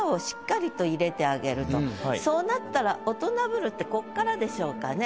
そうなったら「大人ぶる」ってここからでしょうかね。